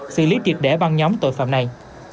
xử lý triệt để ban nhóm tội phạm này